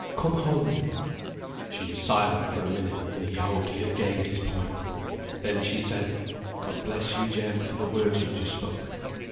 Come home with me." She was silent for a minute, and he hoped he had gained his point. Then she said, "God bless you, Jem, for the words you have just spoken.